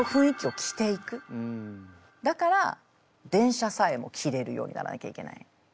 だから電車さえも着れるようにならなきゃいけない。